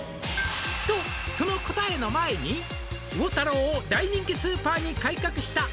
「とその答えの前に」「魚太郎を大人気スーパーに改革した」